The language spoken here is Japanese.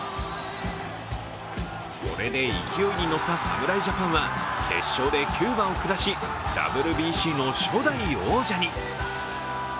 これで勢いに乗った侍ジャパンは決勝でキューバを下し、ＷＢＣの初代王者に。